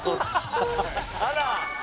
あら！